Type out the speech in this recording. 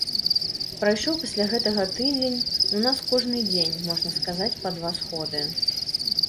Прайшоў пасля гэтага тыдзень, у нас кожны дзень, можна сказаць, па два сходы.